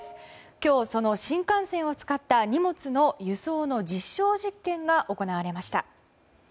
今日、その新幹線を使った荷物の輸送の実証実験が行われました。